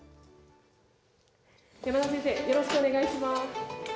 山田先生、よろしくお願いします。